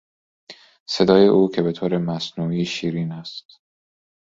صدای او که بهطور مصنوعی شیرین است